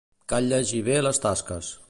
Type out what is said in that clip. Cal llegir bé les tasques.